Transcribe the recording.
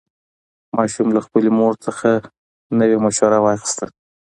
ماشوم له خپلې مور څخه نوې مشوره واخیسته